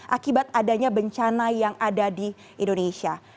akibat adanya bencana yang ada di indonesia